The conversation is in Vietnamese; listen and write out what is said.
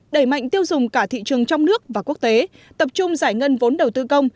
đẩy mạnh tiêu dùng cả thị trường trong nước và quốc tế tập trung giải ngân vốn đầu tư công